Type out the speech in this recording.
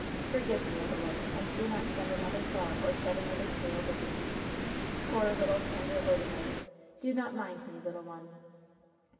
Forgive me, Odalite. And do not spend another thought or shed another tear over me. Poor, little, tender Odalite! Do not mind me, little one!